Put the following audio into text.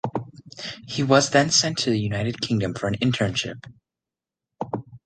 He was then sent to the United Kingdom for an internship.